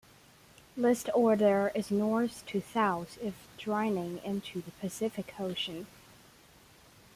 List order is north to south if draining into the Pacific Ocean.